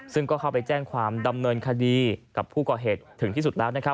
ซึ่งก็เข้าไปแจ้งความดำเนินคดีกับผู้ก่อเหตุถึงที่สุดแล้วนะครับ